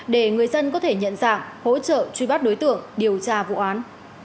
để người dân có thể nhận dạng hỗ trợ truy bắt đối tượng điều tra vụ án